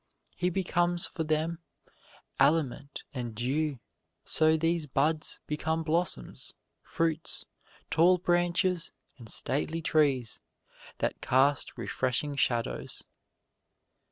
He becomes for them aliment and dew; so these buds become blossoms, fruits, tall branches and stately trees that cast refreshing shadows.